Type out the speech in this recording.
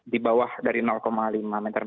di bawah dari lima meter